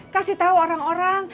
kasih tahu orang orang